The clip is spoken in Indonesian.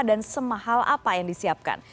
dan semahal apa yang disiapkan